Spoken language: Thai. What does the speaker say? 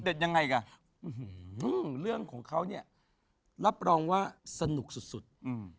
เด็ดยังไงกะอื้อหือเรื่องของเขาเนี่ยรับรองว่าสนุกสุดสุดอืม